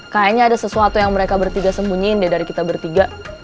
kayaknya ada sesuatu yang mereka bertiga sembunyiin deh dari kita bertiga